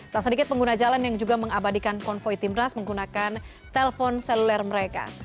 tak sedikit pengguna jalan yang juga mengabadikan konvoy timnas menggunakan telpon seluler mereka